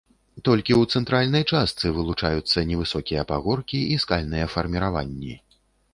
Толькі ў цэнтральнай частцы вылучаюцца невысокія пагоркі і скальныя фарміраванні.